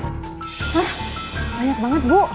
hah banyak banget bu